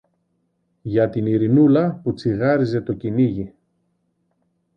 για την Ειρηνούλα που τσιγάριζε το κυνήγι.